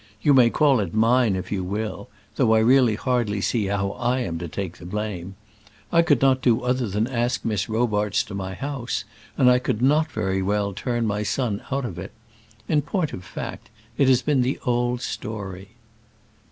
You may call it mine, if you will though I really hardly see how I am to take the blame. I could not do other than ask Miss Robarts to my house, and I could not very well turn my son out of it. In point of fact, it has been the old story."